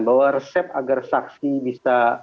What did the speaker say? bahwa resep agar saksi bisa